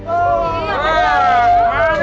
oh mahal nih pak